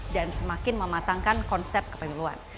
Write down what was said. dan semakin mematangkan konsep kepemiluan